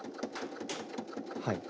はい。